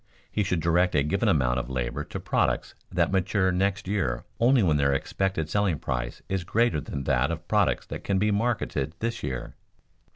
He should direct a given amount of labor to products that mature next year only when their expected selling price is greater than that of products that can be marketed this year.